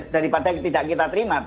daripada tidak kita terima